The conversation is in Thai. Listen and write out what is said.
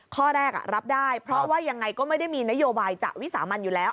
ข้อแรกรับได้เพราะว่ายังไงก็ไม่ได้มีนโยบายจะวิสามันอยู่แล้ว